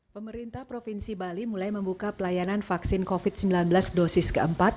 pemerintah provinsi bali mulai membuka pelayanan vaksin covid sembilan belas dosis keempat